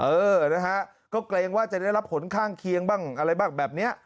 เออนะฮะก็เกรงว่าจะได้รับผลข้างเคียงบ้างอะไรบ้างแบบนี้